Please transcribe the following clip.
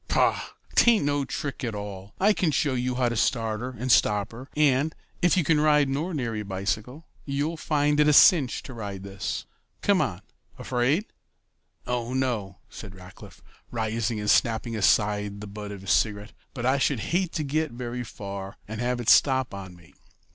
"Paugh! 'Tain't no trick at all. I can show you how to start her and stop her, and, if you can ride an ordinary bicycle, you'll find it a cinch to ride this. Come on. Afraid?" "Oh, no," said Rackliff, rising and snapping aside the butt of his cigarette, "but I should hate to get very far away and have it stop on me."